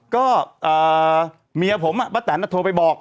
อ๋อก็เอ่อเมียผมอะป้าแตนอะโทรไปบอก